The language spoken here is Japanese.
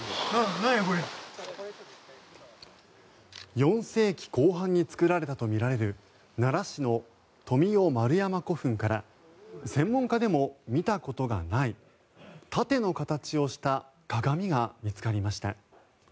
４世紀後半に作られたとみられる奈良市の富雄丸山古墳から専門家でも見たことがない盾の形をした鏡が見つかりました。